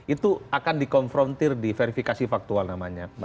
itu akan di konfrontir di verifikasi faktual namanya